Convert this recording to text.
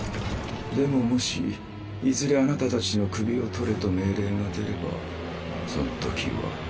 でももしいずれあなたたちの首を取れと命令が出ればそのときは。